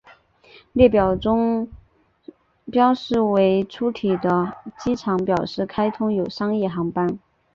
列表中标示为粗体的机场表示开通有商业航班。